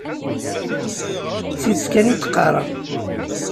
D tidet kan i d-qqareɣ.